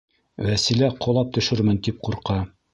Вәсилә ҡолап төшөрмөн тип ҡурҡа.